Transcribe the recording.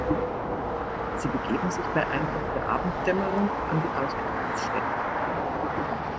Sie begeben sich bei Einbruch der Abenddämmerung an die Ausgrabungsstätte.